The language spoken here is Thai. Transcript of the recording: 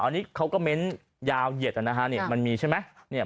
อันนี้เขาก็เม้นยาวเหยียดนะฮะมันมีใช่ไหม